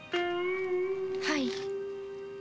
はい。